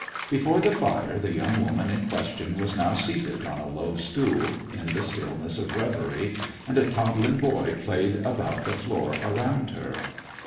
Before the fire the young woman in question was now seated on a low stool, in the stillness of reverie, and a toddling boy played about the floor around her.